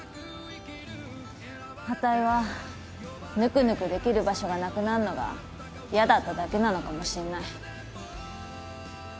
あたいはぬくぬくできる場所がなくなんのが嫌だっただけなのかもしんない。